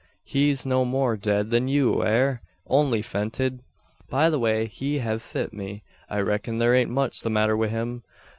He's no more dead than you air only fented. By the way he hev fit me, I reck'n there ain't much the matter wi' him.